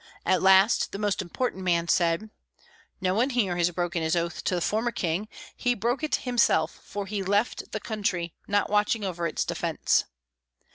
At last the most important man said, "No one here has broken his oath to the former king. He broke it himself; for he left the country, not watching over its defence."